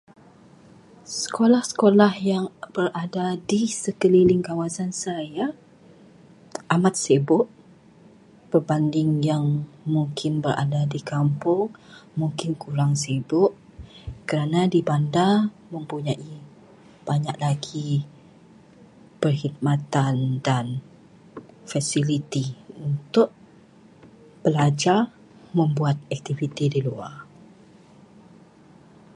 Sekolah-sekolah yang berada di sekeliling kawasan saya amat sibuk, berbanding yang mungkin berada di kampung, mungkin kurang sibuk, kerana di bandar mempunyai banyak lagi perkhidmatan dan fasiliti untuk pelajar membuat aktiviti di luar.